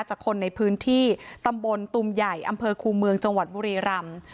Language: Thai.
จากคนในพื้นที่ตำบลตุมใหญ่อำเภอคูเมืองจังหวัดบุรีรำ